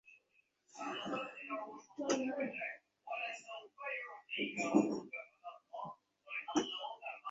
এতে আমার সাথে বেঈমানী করার কথা ভুলে যাব না।